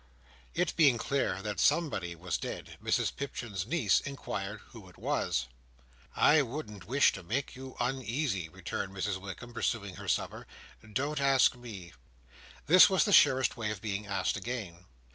It being clear that somebody was dead, Mrs Pipchin's niece inquired who it was. "I wouldn't wish to make you uneasy," returned Mrs Wickam, pursuing her supper. "Don't ask me." This was the surest way of being asked again.